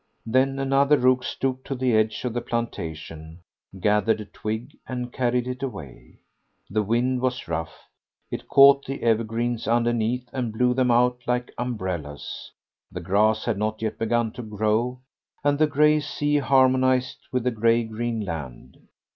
Then another rook stooped to the edge of the plantation, gathered a twig, and carried it away. The wind was rough; it caught the evergreens underneath and blew them out like umbrellas; the grass had not yet begun to grow, and the grey sea harmonised with the grey green land.